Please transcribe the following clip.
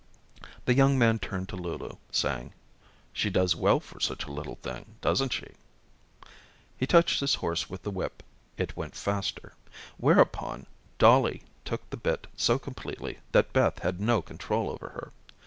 The young man turned to Lulu, saying: "She does well for such a little thing, doesn't she?" He touched his horse with the whip. It went faster. Whereupon Dollie took the bit so completely that Beth had no control over her.